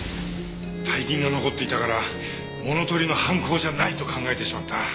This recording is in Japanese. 大金が残っていたから物盗りの犯行じゃないと考えてしまった。